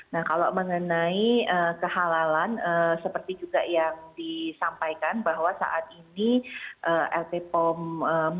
nah kalau mengenai kehalalan seperti juga yang disampaikan bahwa saat ini lp pom